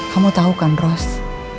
kamu tau kan rose